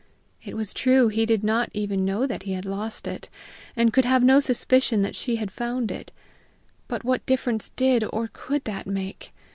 It was true he did not even know that he had lost it, and could have no suspicion that she had found it; but what difference did or could that make?